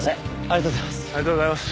ありがとうございます。